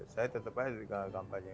saya tetap aja di tanggal kampanye